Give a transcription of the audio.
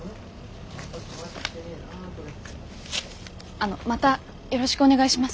あのまたよろしくお願いします。